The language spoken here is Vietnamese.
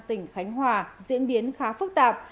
tỉnh khánh hòa diễn biến khá phức tạp